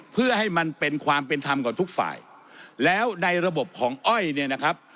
เพื่อให้มันเป็นความเป็นธรรมกับทุกฝ่ายแล้วในระบบของอ้อยเนี่ยนะครับ